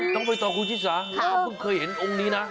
ต้องไปต่อครูชิสาแล้วผมเพิ่งเคยเห็นองค์นี้นะ